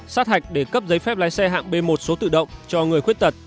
sát hạch để cấp giấy phép lái xe hạng b một số tự động cho người khuyết tật